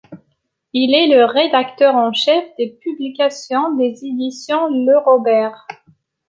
Il est le rédacteur en chef des publications des éditions Le Robert.